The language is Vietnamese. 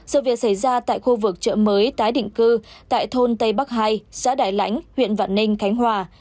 sự việc xảy ra tại khu vực chợ mới tái định cư tại thôn tây bắc hai xã đại lãnh huyện vạn ninh khánh hòa